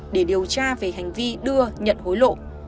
để điều tra về hành vi đưa nhận hối lộ